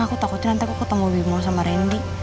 aku takutin nanti aku ketemu bimo sama randy